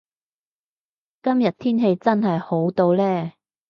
今日天氣真係好到呢